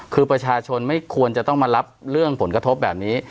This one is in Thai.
คือประชาชนไม่ควรจะต้องมารับเรื่องผลกระทบแบบนี้